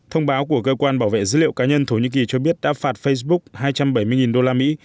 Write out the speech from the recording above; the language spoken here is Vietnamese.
thông báo của cơ quan bảo vệ dữ liệu cá nhân thổ nhĩ kỳ cho biết đã phạt facebook hai trăm bảy mươi đô la mỹ